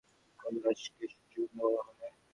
কোন গাছকে সূর্যকন্যা বলা হয়?